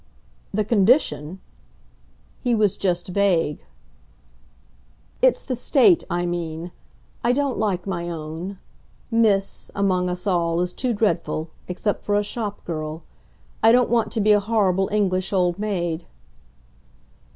"The condition ?" He was just vague. "It's the state, I mean. I don't like my own. 'Miss,' among us all, is too dreadful except for a shopgirl. I don't want to be a horrible English old maid."